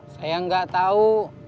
saya gak tau